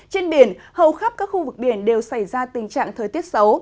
trên biển hầu khắp các khu vực biển đều xảy ra tình trạng thời tiết xấu